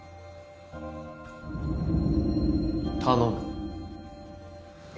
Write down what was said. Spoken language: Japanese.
頼む